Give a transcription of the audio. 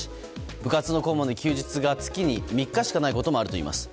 部活の顧問で休日が月に３日しかないこともあるといいます。